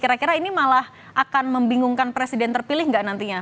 kira kira ini malah akan membingungkan presiden terpilih nggak nantinya